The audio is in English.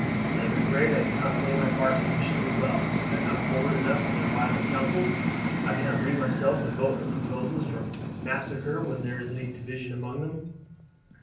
I am afraid I do not play my part sufficiently well. I am not forward enough in their violent councils. I cannot bring myself to vote for proposals for massacre when there is any division among them.